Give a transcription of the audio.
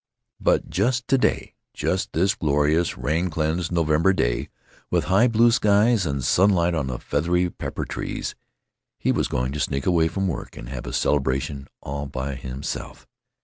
But just to day, just this glorious rain cleansed November day, with high blue skies and sunlight on the feathery pepper trees, he was going to sneak away from work and have a celebration all by himself.